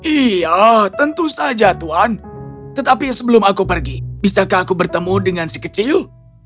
iya tentu saja tuhan tetapi sebelum aku pergi bisakah aku bertemu dengan si kecil